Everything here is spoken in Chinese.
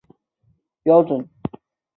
学会为工程师的培训和录取制定标准。